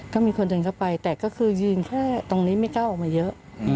ก็มีคนเดินเข้าไปแต่ก็คือยืนแค่ตรงนี้ไม่กล้าออกมาเยอะ